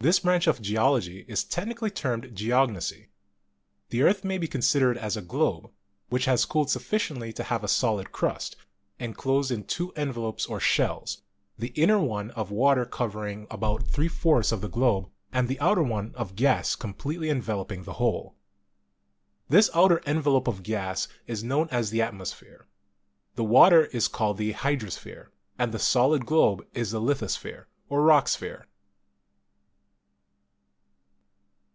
This branch of geology is technically termed Geognosy. The earth may be considered as a globe, which has cooled sufficiently to have a solid crust, enclosed in two envelopes or shells, the inner one of water covering about three fourths of the globe and the outer one of gas completely enveloping the whole. This outer envelope of gas is known as the atmosphere, the water is called the hydrosphere, and the solid globe is the lithosphere or rock sphere.